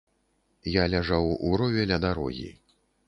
Я ляжаў у рове ля дарогі.